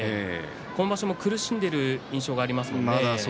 今場所も苦しんでいる印象がありますね。